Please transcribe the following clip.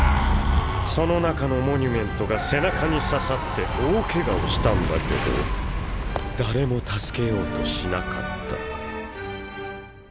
その中のモニュメントが背中に刺さって大ケガをしたんだけど誰も助けようとしなかった。